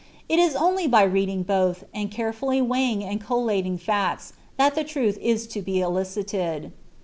It is only by reading both, and carefully wcigliing and collating facts, that the irulb a lo be elicited.